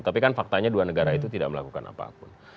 tapi kan faktanya dua negara itu tidak melakukan apapun